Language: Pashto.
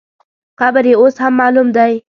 قبر یې اوس هم معلوم دی.